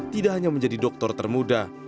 tidak hanya menjadi dokter termuda